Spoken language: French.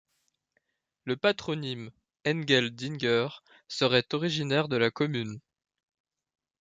Le patronyme Engeldinger serait originaire de la commune.